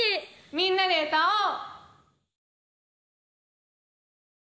「みんなで歌おう」！